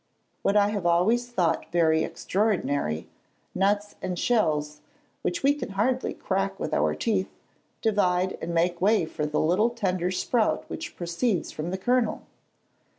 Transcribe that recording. What I have always thought very extraordinary; nuts and shells, which we can hardly crack with our teeth, divide and make way for the little tender sprout which proceeds from the kernel.